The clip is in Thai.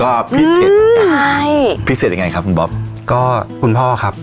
ก็พิเศษใช่พิเศษยังไงครับคุณบ๊อบก็คุณพ่อครับ